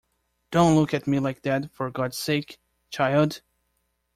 Don't look at me like that, for God's sake, child!